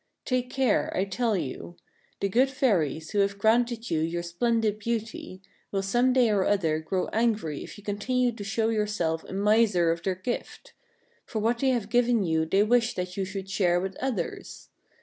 Take care, I tell you. The good fairies, who have granted you your splendid beauty, will some day or other grow angry if you continue to show yourself a miser of their gift ; for what they have given you they wish that you should share with others.